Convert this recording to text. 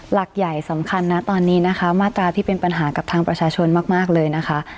หลักใหญ่สำคัญนะตอนนี้นะคะมาตราที่เป็นปัญหากับทางประชาชนมากเลยนะคะ